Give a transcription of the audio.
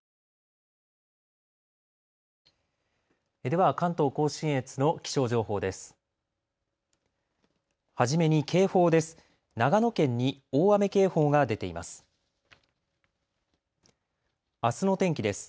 では関東甲信越の気象情報です。